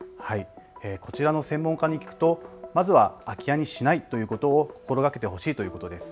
こちらの専門家に聞くとまずは空き家にしないということを心がけてほしいということです。